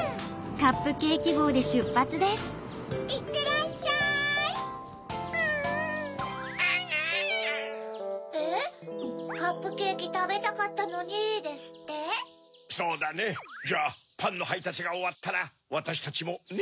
「カップケーキたべたかったのに」ですって？そうだねじゃあパンのはいたつがおわったらわたしたちもね